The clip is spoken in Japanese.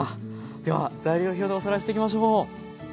では材料表でおさらいしていきましょう。